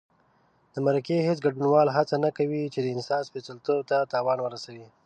د مرکې هېڅ ګډونوال هڅه نه کوي چې د انصاف سپېڅلتوب ته تاوان ورسي.